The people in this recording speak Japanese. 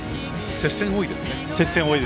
接戦多いですね。